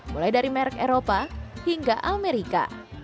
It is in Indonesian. mulai dari merek eropa hingga amerika